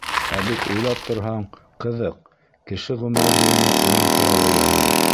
Ә бит уйлап торһаң, ҡыҙыҡ: кеше ғүмере буйына үлем ҡоралы яһай.